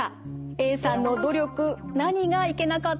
Ａさんの努力何がいけなかったんでしょうか？